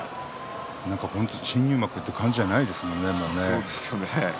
本当に新入幕って感じじゃないですね、もうね。